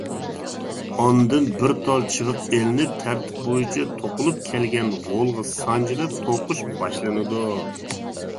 ئاندىن بىر تال چىۋىق ئېلىنىپ، تەرتىپ بويىچە توقۇلۇپ كەلگەن غولغا سانجىلىپ توقۇش باشلىنىدۇ.